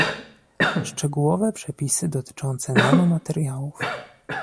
szczegółowe przepisy dotyczące nanomateriałów